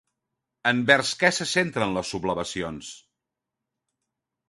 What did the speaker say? Envers què se centren les sublevacions?